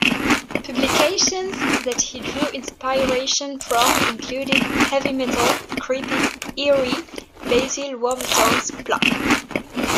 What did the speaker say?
Publications that he drew inspiration from included "Heavy Metal", "Creepy", "Eerie", Basil Wolverton's "Plop!